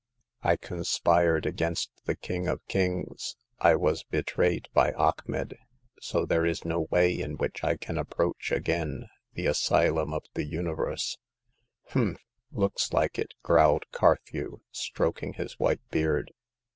I conspired against the King of Kings ; I was betrayed by Achmet ; so there is no way in which I can approach again the Asylum of the Universe." Humph ! looks like it," growled Carthew, stroking his white beard.